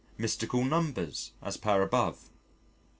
Mystical numbers (as per above).